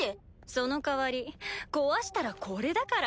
そのかわり壊したらこれだから。